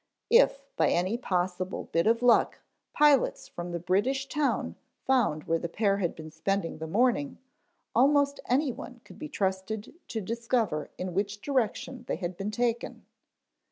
If by any possible bit of luck pilots from the British town found where the pair had been spending the morning almost anyone could be trusted to discover in which direction they had been taken.